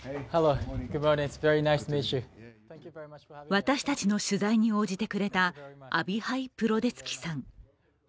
私たちの取材に応じてくれたアビハイ・プロデツキさん。